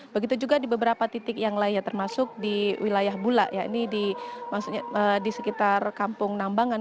begitu juga di beberapa titik yang lainnya termasuk di wilayah bula ya ini di sekitar kampung nambangan